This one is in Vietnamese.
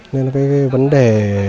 nên cái vấn đề